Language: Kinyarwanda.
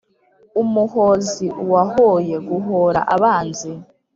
umuhozi: uwahoye (guhora) abanzi